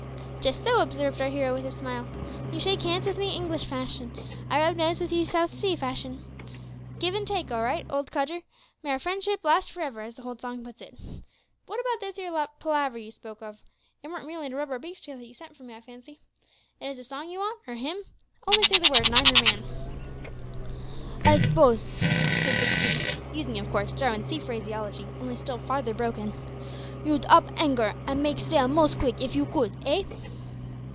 "Just so," observed our hero with a smile, "you shake hands with me English fashion I rub noses with you South Sea fashion. Give an' take; all right, old codger `may our friendship last for ever,' as the old song puts it. But wot about this here palaver you spoke of? It warn't merely to rub our beaks together that you sent for me, I fancy. Is it a song you wants, or a hymn? Only say the word, and I'm your man." "I s'pose," said Big Chief, using, of course, Jarwin's sea phraseology, only still farther broken, "you'd up ankar an' make sail most quick if you could, eh?"